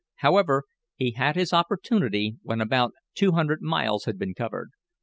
However, he had his opportunity when about two hundred miles had been covered.